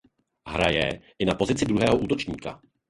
Hraje i na pozici druhého útočníka.